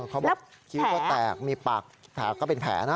เขาบอกคิ้วก็แตกมีปากถาก็เป็นแผลนะ